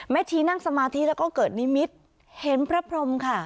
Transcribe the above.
ชีนั่งสมาธิแล้วก็เกิดนิมิตรเห็นพระพรมค่ะ